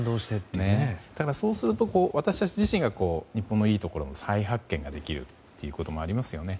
そうすると私たち自身が日本のいいところの再発見ができるってこともありますよね。